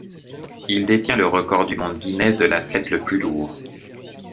Il détient le record du monde Guinness de l'athlète le plus lourd.